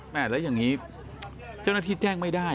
แล้วอย่างนี้เจ้าหน้าที่แจ้งไม่ได้